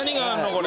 これ。